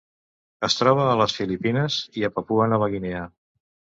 Es troba a les Filipines i a Papua Nova Guinea.